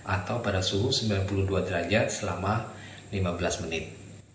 atau pada suhu sembilan puluh dua derajat selama lima belas menit